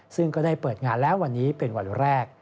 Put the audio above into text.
ซึ่งก็ได้เปิดงานแล้ววันนี้เป็นวันแรก